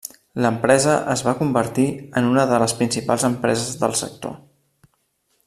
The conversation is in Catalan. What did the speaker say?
L'empresa es va convertir en una de les principals empreses del sector.